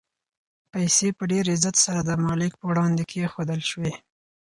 پیسې په ډېر عزت سره د مالک په وړاندې کېښودل شوې.